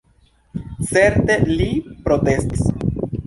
Certe, li protestis.